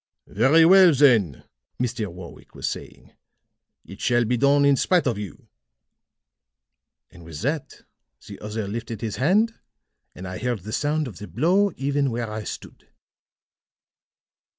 "'Very well, then,' Mr. Warwick was saying, 'it shall be done in spite of you.' "And with that the other lifted his hand, and I heard the sound of the blow even where I stood."